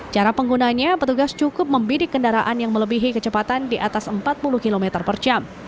cara penggunanya petugas cukup membidik kendaraan yang melebihi kecepatan di atas empat puluh km per jam